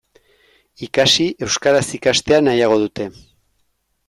Ikasi, euskaraz ikastea nahiago dute.